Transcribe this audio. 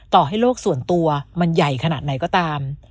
ต่อให้โลกส่วนตัวมันใหญ่ขนาดไหนก็ตาม